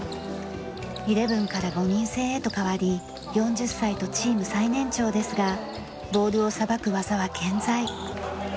イレブンから５人制へと変わり４０歳とチーム最年長ですがボールをさばく技は健在。